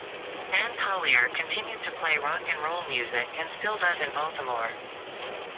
Ann Collier continued to play Rock and Roll music and still does in Baltimore.